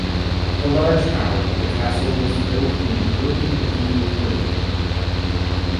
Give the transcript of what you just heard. The large tower of the castle was built in the early medieval period.